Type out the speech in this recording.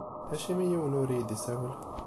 Acimi yiwen ur iyi-d-isawel?